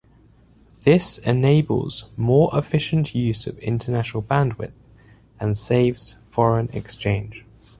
This enables more efficient use of international bandwidth and saves foreign exchange.